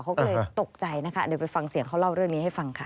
เขาก็เลยตกใจนะคะเดี๋ยวไปฟังเสียงเขาเล่าเรื่องนี้ให้ฟังค่ะ